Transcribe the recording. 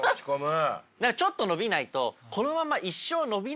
何かちょっと伸びないとあれ？